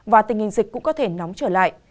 và tình hình dịch cũng có thể nóng trở lại